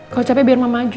kalo capek biar mama aja